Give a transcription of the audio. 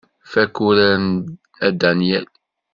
Fakk urar a Danyal.